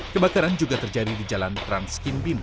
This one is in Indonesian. kebakaran juga terjadi di jalan transkinbin